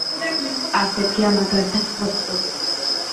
ასეთია მაგალითად ფოსფორიტი.